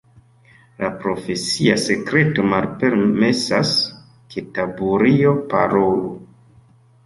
La profesia sekreto malpermesas, ke Taburio parolu.